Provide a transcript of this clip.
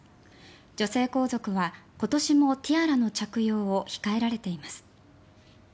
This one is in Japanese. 女性皇族は今年もティアラの着用を控えられています。